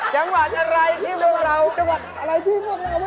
จังหวัดอะไรที่มันแล้ว